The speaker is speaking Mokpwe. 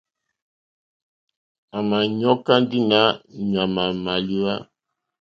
À mà ɲɔ́kyá ndí nǎ ɲàmà màlíwá.